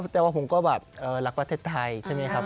แต่ว่าผมก็แบบรักประเทศไทยใช่ไหมครับ